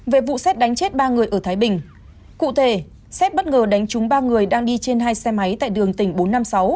về vụ xét đánh chết ba người ở thái bình cụ thể xét bất ngờ đánh trúng ba người đang đi trên hai xe máy tại đường tỉnh bốn trăm năm mươi sáu